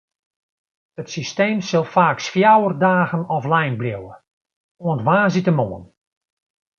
It systeem sil faaks fjouwer dagen offline bliuwe, oant woansdeitemoarn.